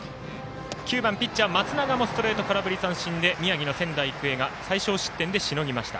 ９番ピッチャー、松永もストレート、空振り三振で宮城の仙台育英が最少失点でしのぎました。